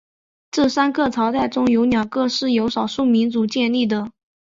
这三个朝代中有两个是由少数民族建立的。